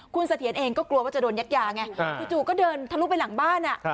คุณเสถียรเองก็กลัวว่าจะโดนยัดยาไงจู่ก็เดินทะลุไปหลังบ้าน